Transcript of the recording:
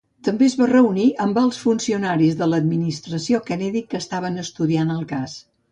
També es va reunir amb alts funcionaris de l'administració Kennedy que estaven estudiant el cas.